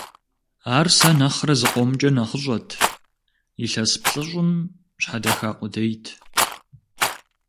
Ар сэ нэхърэ зыкъомкӀэ нэхъыщӀэт, илъэс плӀыщӀым щхьэдэха къудейт.